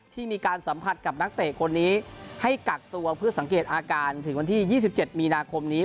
ที่มีการสัมผัสกับนักเตะคนนี้ให้กักตัวเพื่อสังเกตอาการถึงวันที่๒๗มีนาคมนี้